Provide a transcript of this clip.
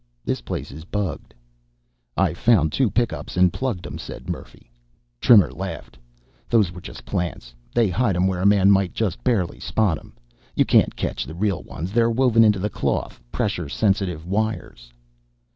"This place is bugged." "I found two pick ups and plugged 'em," said Murphy. Trimmer laughed. "Those were just plants. They hide 'em where a man might just barely spot 'em. You can't catch the real ones. They're woven into the cloth pressure sensitive wires."